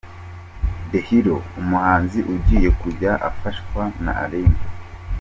The Hero umuhanzi ugiye kujya afashwa na Aline.